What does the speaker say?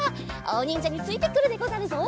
あおにんじゃについてくるでござるぞ。